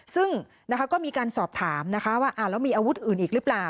ซึ่งก็มีการสอบถามนะคะว่าแล้วมีอาวุธอื่นอีกหรือเปล่า